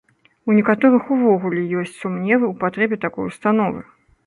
У некаторых увогуле ёсць сумневы ў патрэбе такой установы.